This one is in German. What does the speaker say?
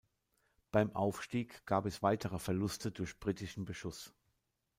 Beim Aufstieg gab es weitere Verluste durch britischen Beschuss.